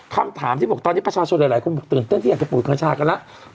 คำถามที่บอกตอนนี้ประชาชนหลายคนบอกตื่นเต้นที่อยากจะปลูกกัญชากันแล้ว